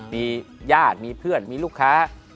มีญาติมีเพื่อนมีลูกค้า